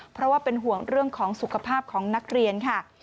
เพราะว่าเป็นห่วงเรื่องของสุขภาพของนักเรียนค่ะ